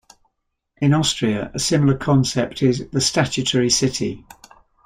In Austria, a similar concept is the "statutory city".